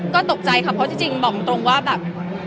ก็ตกใจค่ะเพราะจริงบอกตรงว่าแบบ